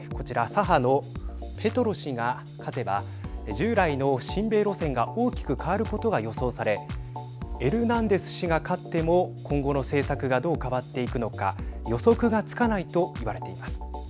左派のペトロ氏が勝てば従来の親米路線が大きく変わることが予想されエルナンデス氏が勝っても今後の政策がどう変わっていくのか予測がつかないといわれています。